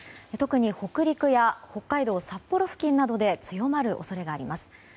特に北陸や北海道札幌付近で強まる恐れがあります。